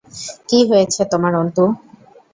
কী হয়েছে তোমার অন্তু!